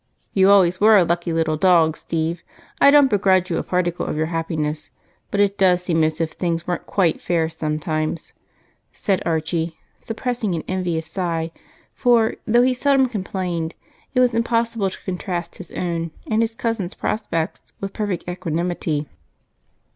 "You always were a lucky little dog, Steve. I don't begrudge you a particle of your happiness, but it does seem as if things weren't quite fair sometimes," said Archie, suppressing an envious sigh, for, though he seldom complained, it was impossible to contrast his own and his cousin's prospects with perfect equanimity.